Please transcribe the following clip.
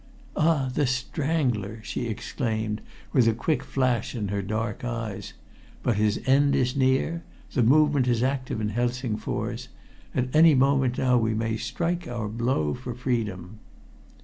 "Ah! the Strangler!" she exclaimed with a quick flash in her dark eyes. "But his end is near. The Movement is active in Helsingfors. At any moment now we may strike our blow for freedom."